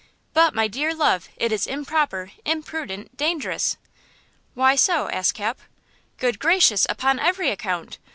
"But, my dear love, it is improper, imprudent, dangerous." "Why so?" asked Cap. "Good gracious, upon every account!